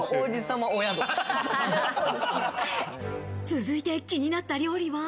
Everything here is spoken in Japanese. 続いて気になった料理は。